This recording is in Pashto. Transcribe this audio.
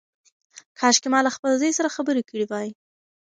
کاشکي ما له خپل زوی سره خبرې کړې وای.